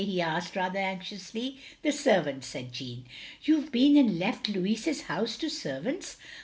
he asked, rather anxiously. "The servants, " said Jeanne. " You've been and left Louis's house to servants.